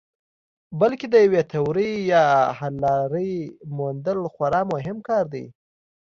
بلکې د یوې تیورۍ یا حللارې موندل خورا مهم کار دی.